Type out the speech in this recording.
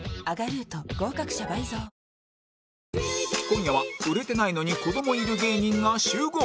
今夜は売れてないのに子供いる芸人が集合